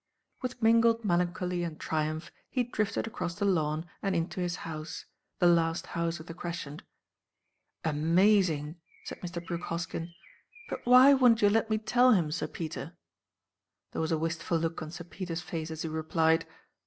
With mingled melancholy and triumph he drifted across the lawn and into his house—the last house of the crescent. "Amazing!" said Mr. Brooke Hoskyn; "but why would n't you let me tell him, Sir Peter?" There was a wistful look on Sir Peter's face as he replied.